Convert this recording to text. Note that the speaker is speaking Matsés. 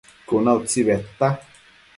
Cuna utsi bedta